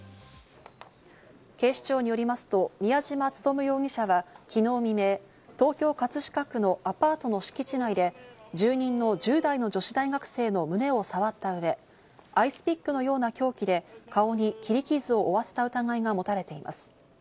警視庁によりますと、宮嶋力容疑者は昨日未明、東京・葛飾区のアパートの敷地内で住人の１０代の女子大学生の胸を触ったうえ、アイスピックのような凶器で顔に切り傷を負わせた疑いがもたれています。